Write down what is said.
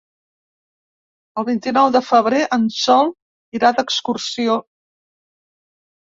El vint-i-nou de febrer en Sol irà d'excursió.